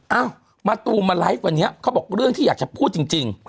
เอ้ามะตูมมาไลฟ์วันนี้เขาบอกเรื่องที่อยากจะพูดจริง